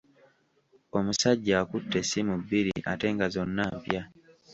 Omusajja akutte essimu bbiri ate nga zonna mpya.